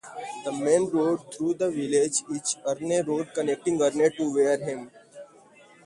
The main road through the village is Arne Road connecting Arne to Wareham.